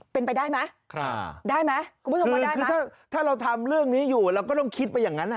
เป็นไปได้ไหมได้ไหมคุณผู้ชมก็ได้คือถ้าเราทำเรื่องนี้อยู่เราก็ต้องคิดไปอย่างนั้น